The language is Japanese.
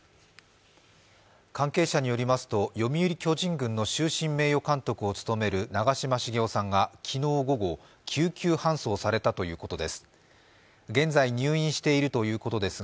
関係者によりますと読売巨人軍の終身名誉監督を務める長嶋茂雄さんが昨日午後、救急搬送されたということです。